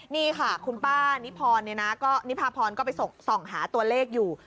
นี่ค่ะคุณป้านิพรนิพาพรก็ไปส่องหาตัวเลขอยู่